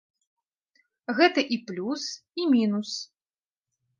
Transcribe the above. Гэта і плюс, і мінус.